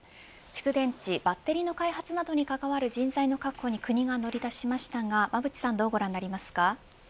蓄電池、バッテリーの開発などにかかる人材の確保に国が乗り出しましたがどうご覧になりましたか。